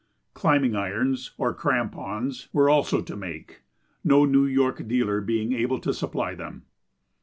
"Climbing irons," or "crampons," were also to make, no New York dealer being able to supply them.